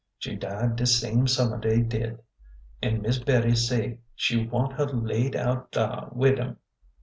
She died de same summer dey did, an' Miss Bettie say she want her laid out dar wid 'em.